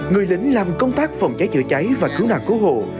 người lính làm công tác phòng cháy chữa cháy và cứu nạn cứu hộ